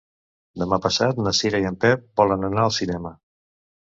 Demà passat na Cira i en Pep volen anar al cinema.